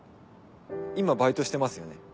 今バイトしてますよね？